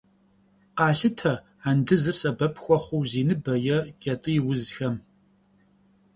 Къалъытэ андызыр сэбэп хуэхъуу зи ныбэ е кӏэтӏий узхэм.